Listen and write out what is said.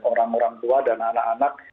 orang orang tua dan anak anak